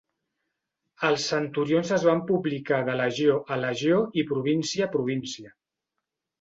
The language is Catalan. Els centurions es van publicar de legió a legió i província a província.